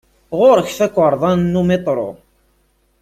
Ɣur-k takarḍa n umitṛu?